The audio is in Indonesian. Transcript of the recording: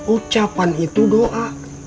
ucapan itu doa